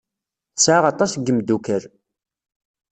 Tesɛa aṭas n yimeddukal.